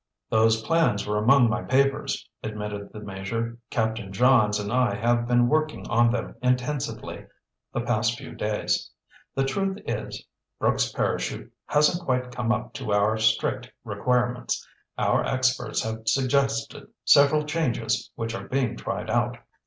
"Those plans were among my papers," admitted the Major. "Captain Johns and I have been working on them intensively the past few days. The truth is, Brooks' parachute hasn't quite come up to our strict requirements. Our experts have suggested several changes which are being tried out."